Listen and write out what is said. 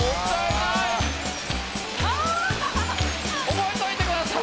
覚えといてください